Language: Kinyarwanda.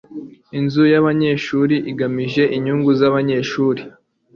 Inzu yabanyeshuri igamije inyungu zabanyeshuri.